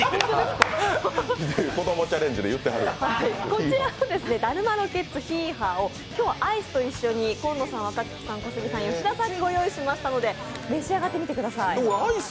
こちら、だるまロケッツひはをアイスと一緒に紺野さん、若槻さん、吉田さん、小杉さんにご用意しましたので召し上がってみてください。